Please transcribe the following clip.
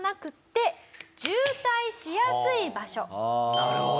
なるほど。